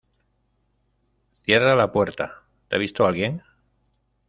cierra la puerta. ¿ te ha visto alguien?